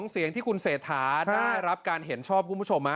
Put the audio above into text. เสียงที่คุณเศรษฐาได้รับการเห็นชอบคุณผู้ชม